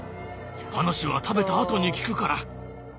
話は食べたあとに聞くから。